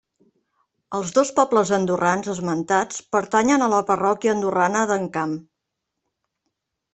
Els dos pobles andorrans esmentats pertanyen a la parròquia andorrana d'Encamp.